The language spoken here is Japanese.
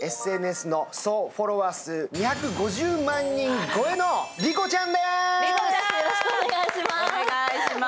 ＳＮＳのそうフォロワー数２５０万人超えの莉子ちゃんです！